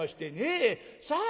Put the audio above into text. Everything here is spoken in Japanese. さあ